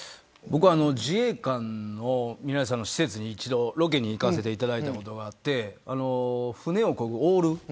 自衛官の施設に一度ロケに行かせていただいたことがあって舟をこぐオール。